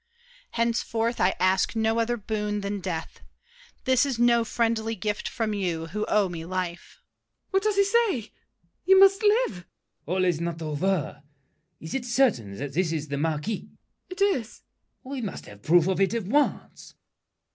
Henceforth I ask no other boon than death. This is No friendly gift from you, who owe me life! MARION. What does he say? You must live— LAFFEMAS. All's not over. Is it certain that this is the Marquis? MARION. It is. LAFFEMAS. We must have proof of it at once.